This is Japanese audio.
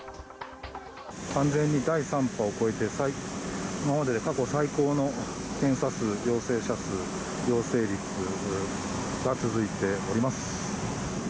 完全に第３波を超えて、今までで過去最高の検査数、陽性者数、陽性率が続いております。